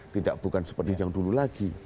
tidak bukan seperti yang dulu lagi